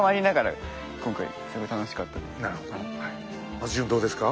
松潤どうですか？